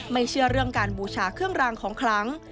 เชื่อเรื่องการบูชาเครื่องรางของคลัง